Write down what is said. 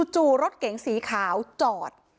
จู่รถเก๋งสีขาวจอด